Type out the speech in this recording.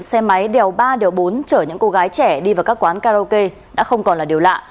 xe máy đèo ba điều bốn chở những cô gái trẻ đi vào các quán karaoke đã không còn là điều lạ